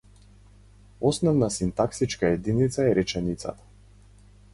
Основна синтаксичка единица е реченицата.